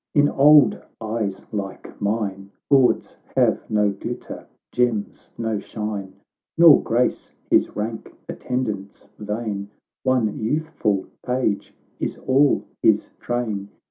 in old eyes like mine, Gauds have no glitter, gems no shine ; Nor grace his rank attendants vain, One youthful page is all his train.